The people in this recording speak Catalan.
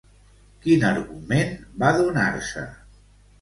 Quin argument va donar-se?